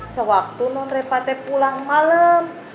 sewaktu nonrepa teh pulang malem